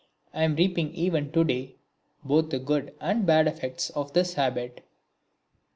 I am reaping even to day both the good and bad effects of this habit.